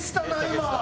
今。